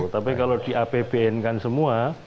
tapi kalau di apbn kan semua